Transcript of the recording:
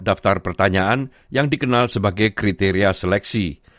daftar pertanyaan yang dikenal sebagai kriteria seleksi